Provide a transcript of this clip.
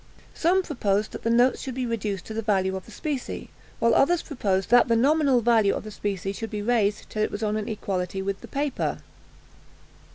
Some proposed that the notes should be reduced to the value of the specie, while others proposed that the nominal value of the specie should be raised till it was on an equality with the paper.